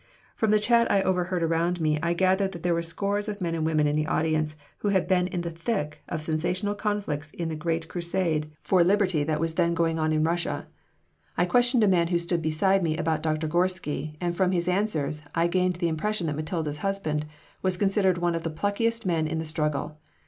From the chat I overheard around me I gathered that there were scores of men and women in the audience who had been in the thick of sensational conflicts in the great crusade for liberty that was then going on in Russia. I questioned a man who stood beside me about Doctor Gorsky, and from his answers I gained the impression that Matilda's husband was considered one of the pluckiest men in the struggle.